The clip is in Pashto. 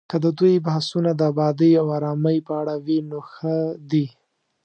که د دوی بحثونه د ابادۍ او ارامۍ په اړه وي، نو ښه دي